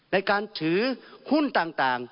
ในการถือหุ้นต่าง